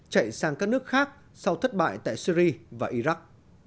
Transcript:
chạy sang các nước khác sau thất bại tại syri và iraq